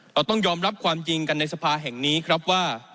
เราต้องยอมรับความจริงกันในสภาแห่งนี้ครับว่า